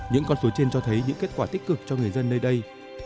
những con số trên cho thấy những kết quả tích cực cho người dân nơi đây